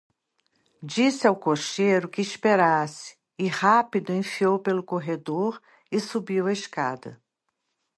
Disse ao cocheiro que esperasse, e rápido enfiou pelo corredor, e subiu a escada.